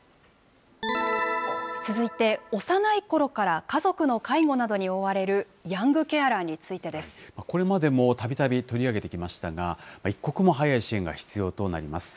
続いて、幼いころから家族の介護などに追われる、これまでも、たびたび取り上げてきましたが、一刻も早い支援が必要となります。